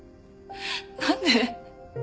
何で？